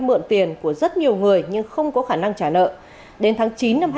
mượn tiền của rất nhiều người nhưng không có khả năng trả nợ đến tháng chín năm hai nghìn hai mươi